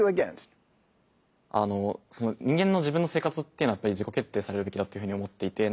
人間の自分の生活っていうのはやっぱり自己決定されるべきだっていうふうに思っていて。